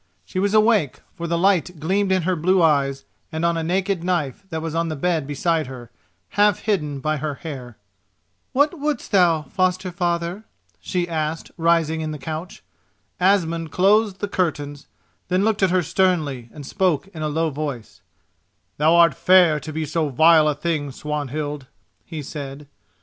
She was awake, for the light gleamed in her blue eyes, and on a naked knife that was on the bed beside her, half hidden by her hair. "What wouldst thou, foster father?" she asked, rising in the couch. Asmund closed the curtains, then looked at her sternly and spoke in a low voice: "Thou art fair to be so vile a thing, Swanhild," he said.